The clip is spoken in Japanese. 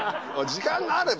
時間があれば。